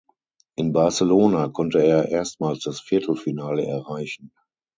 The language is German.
In Barcelona konnte er erstmals das Viertelfinale erreichen.